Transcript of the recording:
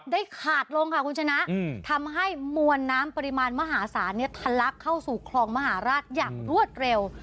ได้ขาดลงค่ะคุณชนะทำให้มวลน้ำปริมาณมหาศาลทะลักเข้าสู่คลองมหาราชอย่างรวดเร็ว